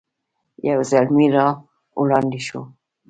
یو زلمی را وړاندې شو.